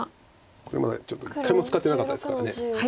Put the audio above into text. これまでちょっと一回も使ってなかったですから。